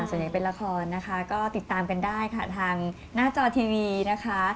ส่วนใหญ่เป็นละครนะคะก็ติดตามกันได้ค่ะทางหน้าจอทีวีนะคะ